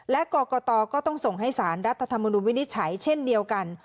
และกรกตก็ต้องส่งให้สารรัฐธรรมนุนวินิจฉัยเช่นเดียวกัน